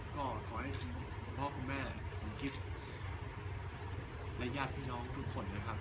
ก็ขอให้คุณพ่อคุณแม่ของกิฟต์และญาติพี่น้องทุกคนนะครับ